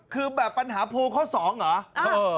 คือปัญหาโพลข้อ๒เค้าหรอ